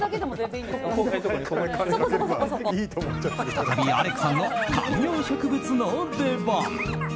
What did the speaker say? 再び、アレクさんの観葉植物の出番。